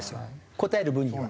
答える分には。